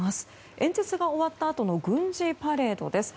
演説が終わったあとの軍事パレードです。